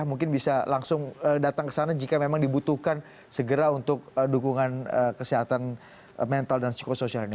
mungkin bisa langsung datang ke sana jika memang dibutuhkan segera untuk dukungan kesehatan mental dan psikosoial ini